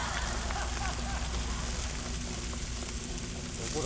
どこだ